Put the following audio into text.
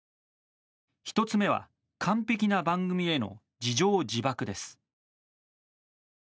１つ目は完璧な番組への自縄自縛です。